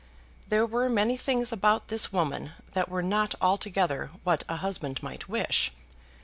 There were many things about this woman that were not altogether what a husband might wish.